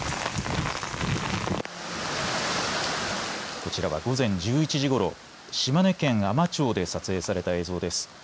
こちらは午前１１時ごろ、島根県海士町で撮影された映像です。